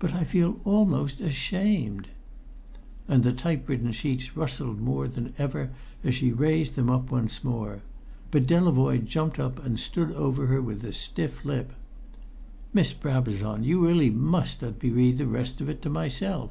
"But I feel almost ashamed." And the typewritten sheets rustled more than ever as she raised them once more. But Delavoye jumped up and stood over her with a stiff lip. "Miss Brabazon, you really must let me read the rest of it to myself!"